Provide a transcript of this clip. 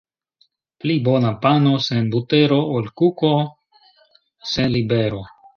Pli bona pano sen butero, ol kuko sen libero.